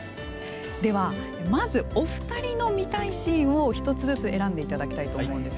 では、まずお二人の見たいシーンを１つずつ選んでいただきたいと思います。